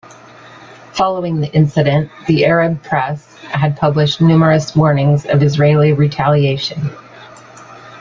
Following the incident, the Arab press had published numerous warnings of Israeli retaliation.